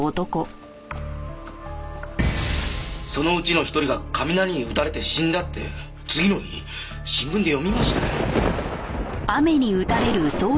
そのうちの１人が雷に打たれて死んだって次の日新聞で読みました。